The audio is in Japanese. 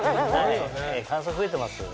乾燥増えてます。